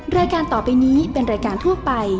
รายการต่อไปนี้เป็นรายการทั่วไป